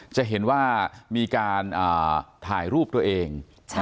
จะเห็นว่ามีการถ่ายรูปตัวเอง